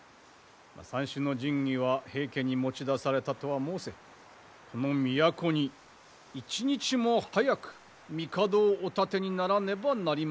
三種の神器は平家に持ち出されたとは申せこの都に一日も早く帝をお立てにならねばなりませぬゆえ。